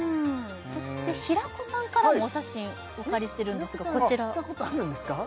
そして平子さんからもお写真お借りしてるんですがこちら平子さんはしたことあるんですか